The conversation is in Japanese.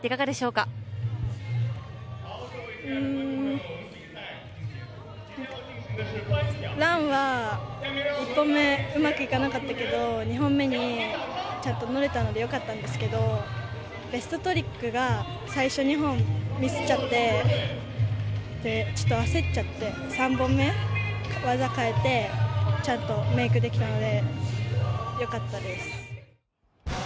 うんランは１本目うまくいかなかったけど２本目にちゃんと乗れたのでよかったんですけどベストトリックが最初２本、ミスっちゃって、焦っちゃって、３本目技を変えてちゃんとメイクできたのでよかったです。